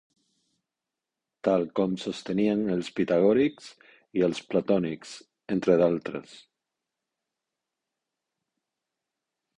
Tal com sostenien els pitagòrics i els platònics, entre d'altres.